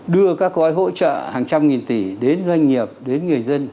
đưa các gói hỗ trợ hàng trăm nghìn tỷ đến doanh nghiệp đến người dân